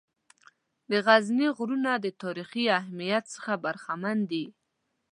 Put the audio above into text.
د غزني غرونه د تاریخي اهمیّت څخه برخمن دي.